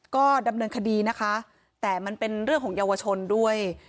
ก็ดำเนินคดีนะคะแต่มันเป็นเรื่องของเยาวชนด้วย